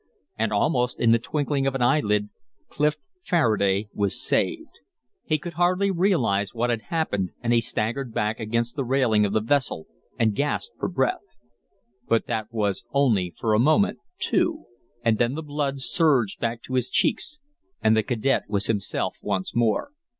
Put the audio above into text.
And almost in the twinkling of an eye lid, Clif Faraday was saved. He could hardly realize what had happened, and he staggered back against the railing of the vessel and gasped for breath. But that was only for a moment, too; and then the blood surged back to his cheeks and the cadet was himself once more.